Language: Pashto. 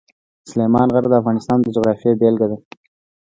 سلیمان غر د افغانستان د جغرافیې بېلګه ده.